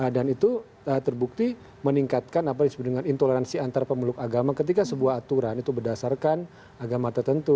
dan itu terbukti meningkatkan apa yang disebut dengan intoleransi antara pemeluk agama ketika sebuah aturan itu berdasarkan agama tertentu